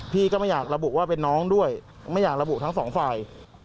พี่ก็ไม่อยากระบุว่าเป็นน้องด้วยไม่อยากระบุทั้งสองฝ่าย